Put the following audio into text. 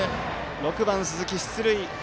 ６番、鈴木、出塁。